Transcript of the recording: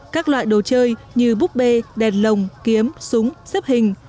các loại đồ chơi như búp bê đèn lồng kiếm súng xếp hình